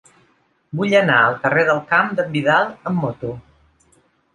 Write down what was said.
Vull anar al carrer del Camp d'en Vidal amb moto.